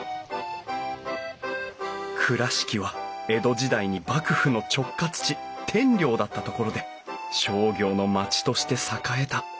倉敷は江戸時代に幕府の直轄地天領だった所で商業の町として栄えた。